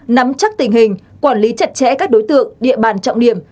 nắm chắc tình hình quản lý chặt chẽ các đối tượng địa bàn trọng điểm